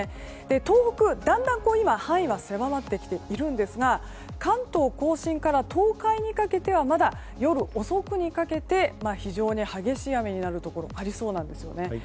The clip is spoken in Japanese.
東北はだんだん今、範囲は狭まってきているんですが関東・甲信から東海にかけてはまだ夜遅くにかけて非常に激しい雨になるところありそうなんですよね。